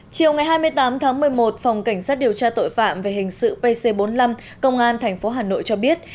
chiều ngày hai mươi tám tháng một mươi một phòng cảnh sát điều tra tội phạm về hình sự pc bốn mươi năm công an tp hà nội cho biết